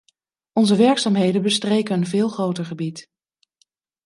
Onze werkzaamheden bestreken een veel groter gebied.